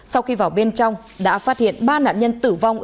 sau khi vào bên trong đã phát hiện ba nạn nhân tử vong